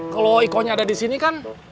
kalau ikohnya ada disini kan